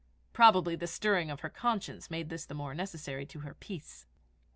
Probably the stirring of her conscience made this the more necessary to her peace.